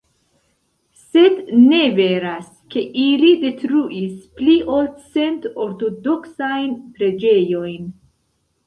Sed ne veras, ke ili detruis pli ol cent ortodoksajn preĝejojn.